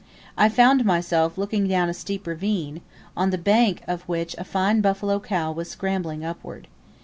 I found myself looking down a steep ravine, on the other bank of which a fine buffalo cow was scrambling upward.